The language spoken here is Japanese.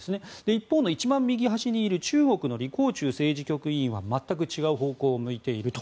一方の一番右端にいる中国のリ・コウチュウ政治局委員は全く違う方向を向いていると。